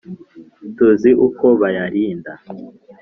tuzi uko bayarinda